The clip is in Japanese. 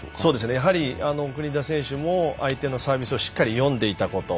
やはり国枝選手も相手のサービスをしっかり読んでいたこと。